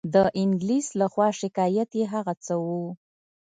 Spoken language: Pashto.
د انګلیس له خوا شکایت یې هغه څه وو.